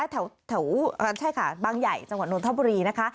แถวใช่ค่ะบางใหญ่จังหวัดนทบุรีนะคะ